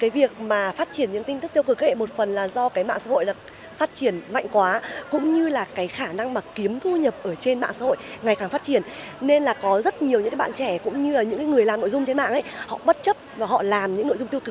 và phát định tính chính xác của tin tức